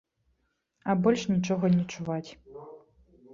А больш нічога не чуваць.